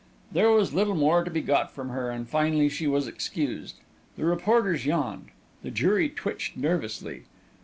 There was little more to be got from her, and finally she was excused. The reporters yawned. The jury twitched nervously.